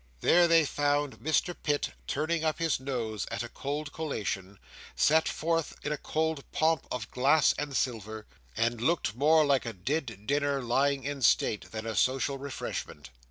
There they found Mr Pitt turning up his nose at a cold collation, set forth in a cold pomp of glass and silver, and looking more like a dead dinner lying in state than a social refreshment.